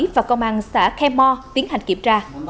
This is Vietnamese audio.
và công an xã khe mò tiến hành kiểm tra